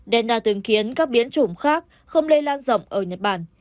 denna từng khiến các biến chủng khác không lây lan rộng ở nhật bản